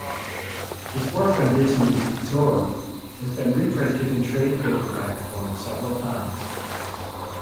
His work on Disney's "Zorro" has been reprinted in trade paperback form several times.